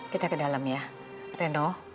kita ke dalam ya reno